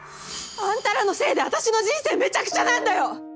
あんたらのせいで私の人生めちゃくちゃなんだよ！